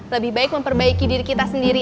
lebih baik memperbaiki diri kita sendiri